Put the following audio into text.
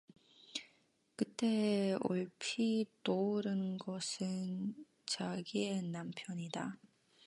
그때에 얼핏 떠오른 것은 자기의 남편이다.